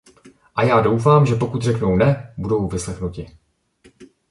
A já doufám, že pokud řeknou ne, budou vyslechnuti.